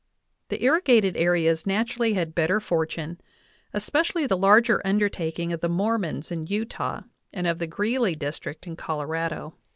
The irrigated areas naturally had better fortune, especially the larger undertaking of the Mormons in Utah and of the Greeley district in Colorado.